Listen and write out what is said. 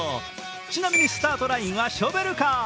ちなみにスタートラインはショベルカー。